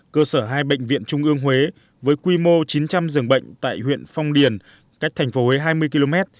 cơ sở hai bệnh viện trung ương huế với quy mô chín trăm linh giường bệnh tại huyện phong điền cách thành phố huế hai mươi km